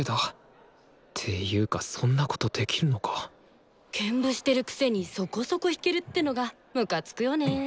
ていうかそんなことできるのか兼部してるくせにそこそこ弾けるってのがムカつくよね。